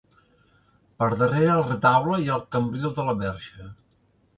Per darrere el retaule hi ha el cambril de la Verge.